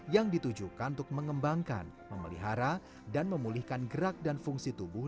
yang ditujukan untuk mengembangkan memelihara dan memulihkan gerak dan fungsi tubuh